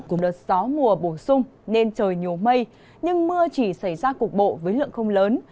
cùng đợt gió mùa bổ sung nên trời nhiều mây nhưng mưa chỉ xảy ra cục bộ với lượng không lớn